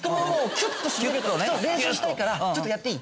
ちょっと練習したいからちょっとやっていい？